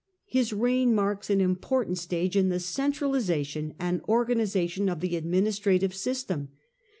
His reign marks an important stage in the centraliza tion and organization of the administrative system.